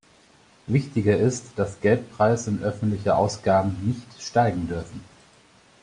Wichtiger ist, dass Geldpreis und öffentliche Ausgaben nicht steigen dürfen.